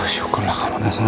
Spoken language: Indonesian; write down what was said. syukurlah kamu ada sana